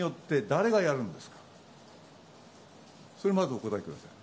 誰がやるんですか？